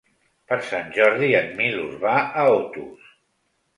Per Sant Jordi en Milos va a Otos.